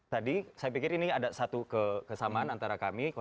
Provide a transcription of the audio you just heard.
tadi saya pikir ini ada satu kesamaan antara kami satu ratus dua